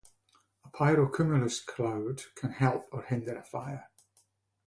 A pyrocumulus cloud can help or hinder a fire.